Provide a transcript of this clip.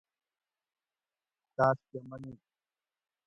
تاسکہ منوگ